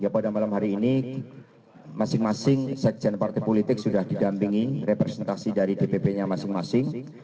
pada malam hari ini masing masing sekjen partai politik sudah didampingi representasi dari dpp nya masing masing